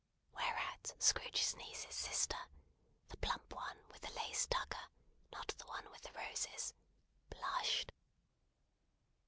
Whereat Scrooge's niece's sister the plump one with the lace tucker: not the one with the roses blushed.